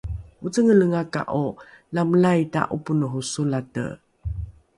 ocengelengaka’o lamolaita ’oponoho solate?